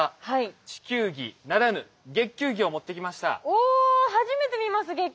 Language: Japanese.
お初めて見ます月球儀。